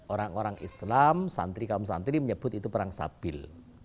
orang orang islam santri kaum santri menyebut itu perang sabil